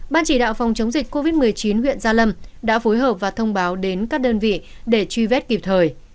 ban chỉ đạo phòng chống dịch covid một mươi chín huyện gia lâm đã phối hợp và thông báo đến các đơn vị để truy vết kịp thời